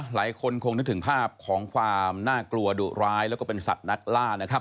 หลายคนคงนึกถึงภาพของความน่ากลัวดุร้ายแล้วก็เป็นสัตว์นักล่านะครับ